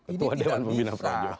ini tidak bisa